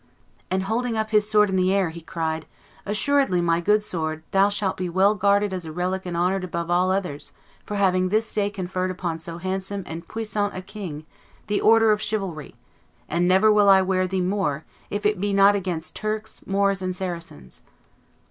and, holding up his sword in the air, he cried, 'Assuredly, my good sword, thou shalt be well guarded as a relic and honored above all others for having this day conferred upon so handsome and puissant a king the order of chivalry; and never will I wear thee more if it be not against Turks, Moors, and Saracens!